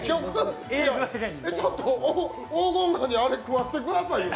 ちょっと、黄金ガニあれ食わしてくださいよ！